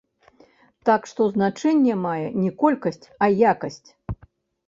Так што, значэнне мае не колькасць, а якасць.